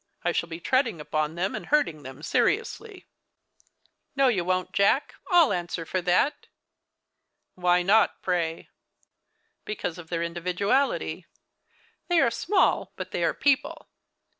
I shall be treading upon them, and hmling them seriously." " No you won't. Jack, I'll answer for that." " Why not, pray ?"" Because of their individuality. They are small, but they are people.